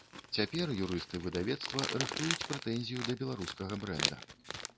Цяпер юрысты выдавецтва рыхтуюць прэтэнзію да беларускага брэнда.